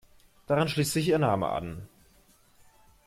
Daran schließt sich ihr Name an.